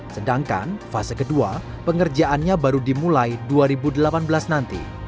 sedangkan fase kedua pengerjaan akan menggunakan perusahaan yang lebih mudah untuk mencapai kemasukan di ibu kota